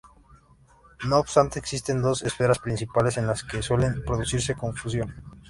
No obstante, existen dos esferas principales en las que suele producirse confusión.